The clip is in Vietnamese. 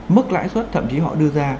mức lãi suất thậm chí họ đưa ra